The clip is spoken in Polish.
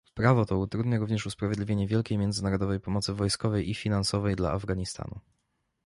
Prawo to utrudnia również usprawiedliwienie wielkiej międzynarodowej pomocy wojskowej i finansowej dla Afganistanu